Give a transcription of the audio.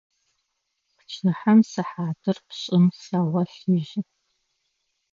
Пчыхьэм сыхьатыр пшӀым сэгъолъыжьы.